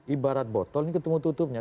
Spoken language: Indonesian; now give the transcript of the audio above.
ibarat botol ini ketemu tutupnya